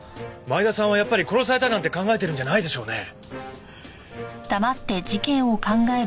前田さんはやっぱり殺されたなんて考えてるんじゃないでしょうね？